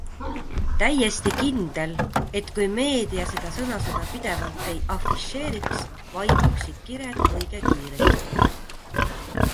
Täiesti kindel, et kui meedia seda sõnasõda pidevalt ei afišeeriks, vaibuksid kired õige kiiresti.